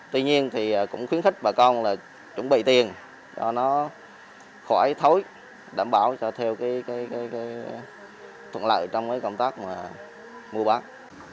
tuy nhiên cũng khuyến khích bà con chuẩn bị tiền cho nó khỏi thối đảm bảo theo thuận lợi trong công tác mua bán